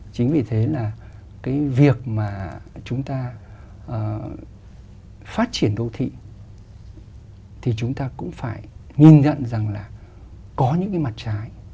chính vì thế là cái việc mà chúng ta phát triển đô thị thì chúng ta cũng phải nhìn nhận rằng là có những cái mặt trái